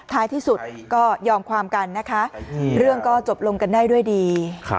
ท้ายที่สุดก็ยอมความกันนะคะเรื่องก็จบลงกันได้ด้วยดี